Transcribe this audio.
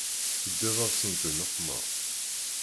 Teddiḍ-asent di nneqma.